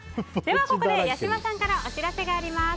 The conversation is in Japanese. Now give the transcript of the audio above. ここで八嶋さんからお知らせがあります。